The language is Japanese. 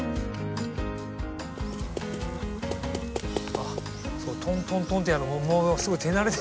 あっそのトントントンってやるのものすごい手慣れて。